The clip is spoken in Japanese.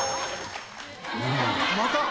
・また？